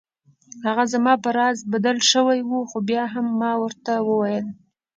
هغه زما په راز بدل شوی و خو بیا هم ما ورته وویل.